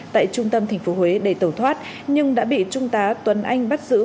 tại trung tâm tp huế để tẩu thoát nhưng đã bị trung tá tuấn anh bắt giữ